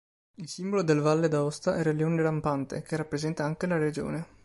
Il simbolo del Valle d'Aosta era il Leone rampante, che rappresenta anche la regione.